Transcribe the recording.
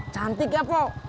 cantik ya pok